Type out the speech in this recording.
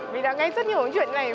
mình đã nghe rất nhiều chuyện này